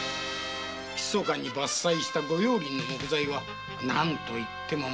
ひそかに伐採した御用林の木材は何といっても元手要らず。